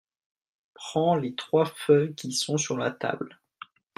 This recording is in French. Prends les trois feuilles qui sont sur la table.